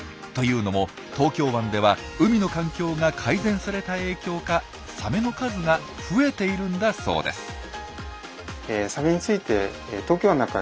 というのも東京湾では海の環境が改善された影響かサメの数が増えているんだそうです。